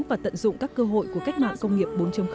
và tận dụng các cơ hội của cách mạng công nghiệp bốn